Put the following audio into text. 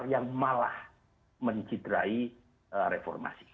yang malah mencitrai reformasi